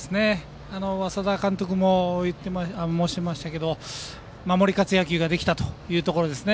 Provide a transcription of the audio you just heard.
稙田監督も申していましたが守り勝つ野球ができたということですね。